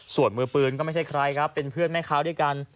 ส่วนมือปืนก็ไม่ใช่ใครครับเป็นเพื่อนแม่ค้าด้วยกัน